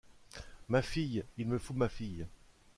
Ma fille ! il me faut ma fille !